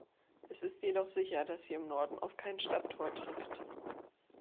Es ist jedoch sicher, dass sie im Norden auf kein Stadttor trifft.